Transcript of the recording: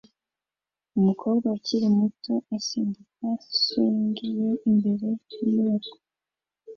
Umukobwa ukiri muto asimbuka swing ye imbere yinyubako